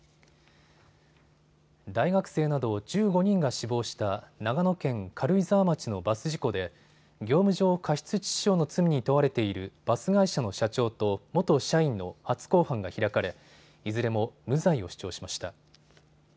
大学生など１５人が死亡した長野県軽井沢町のバス事故で業務上過失致死傷の罪に問われているバス会社の社長と元社員の初公判が開かれ、いずれも無罪を主張しました。